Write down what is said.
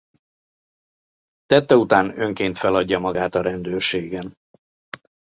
Tette után önként feladja magát a rendőrségen.